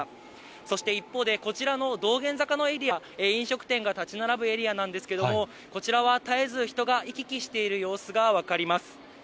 そして一方で、こちらの道玄坂のエリア、飲食店が建ち並ぶエリアなんですけれども、こちらは絶えず人が行き来している様子が分かります。